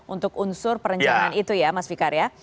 untuk unsur perencanaan itu ya mas fikar ya